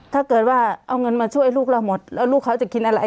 ถ้าเกิดว่าเอาเงินมาช่วยลูกเราหมดแล้วลูกเขาจะกินอะไร